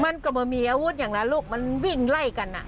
มันก็ไม่มีอาวุธอย่างนั้นลูกมันวิ่งไล่กัน